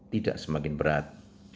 tidak semakin berat